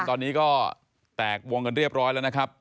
ตอนนี้ก็แตกวงกันเรียบร้อยแล้วนะครับ